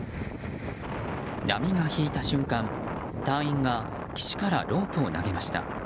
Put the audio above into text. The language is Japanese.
波が引いた瞬間隊員が岸からロープを投げました。